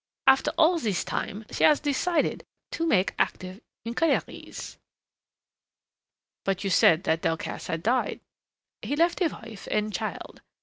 After all this time she has decided to make active inquiries." "But you said that Delcassé had died " "He left a wife and child.